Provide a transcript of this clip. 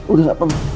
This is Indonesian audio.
udah gak tau